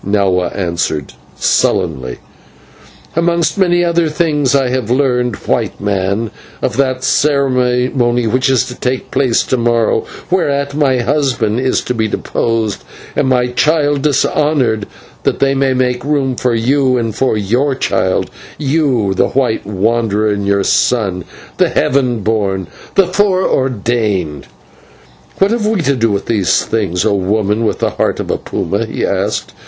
Nahua answered, sullenly. "Amongst many other things, I have learned, White Man, of that ceremony which is to take place to morrow, whereat my husband is to be deposed and my child dishonoured, that they may make room for you and for your child you, the white wanderer, and your son, the Heaven born, the Fore ordained!" "What have we to do with these things, O woman with the heart of a puma?" he asked.